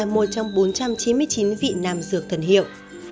một trong bốn trăm chín mươi chín vị nam dược thần hiệu